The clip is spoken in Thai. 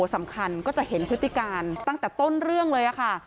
สำคัญก็จะเห็นพฤติการตั้งแต่ต้นเรื่องเลยค่ะ